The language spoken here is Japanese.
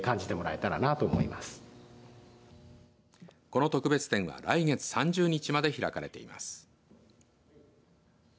この特別展は、来月３０日まで開かれています。